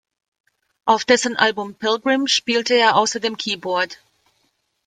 Auf dessen Album "Pilgrim" spielte er außerdem Keyboard.